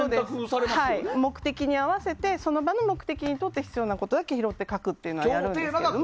目的に合わせてその場の目的にとって必要なことだけ拾って書くということはやるんですけど。